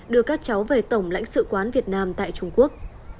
đưa các cháu về tổng lãnh sự quán việt nam tại trung quốc